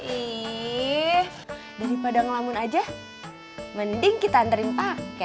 ihhh daripada ngelamun aja mending kita anterin paket